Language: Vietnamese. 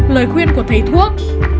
lời khuyên của thầy thuốc